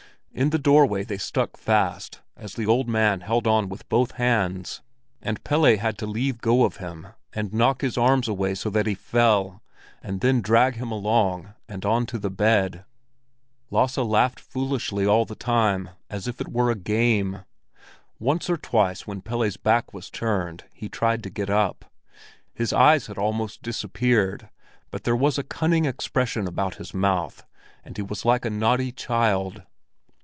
In the doorway they stuck fast, as the old man held on with both hands; and Pelle had to leave go of him and knock his arms away so that he fell, and then drag him along and on to the bed. Lasse laughed foolishly all the time, as if it were a game. Once or twice when Pelle's back was turned, he tried to get up; his eyes had almost disappeared, but there was a cunning expression about his mouth, and he was like a naughty child.